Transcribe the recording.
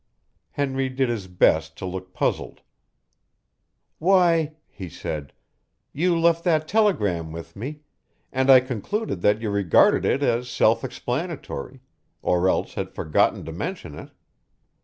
Henry did his best to look puzzled. "Why," he said, "you left that telegram with me, and I concluded that you regarded it as self explanatory or else had forgotten to mention it.